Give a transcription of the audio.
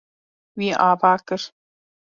Wî ava kir.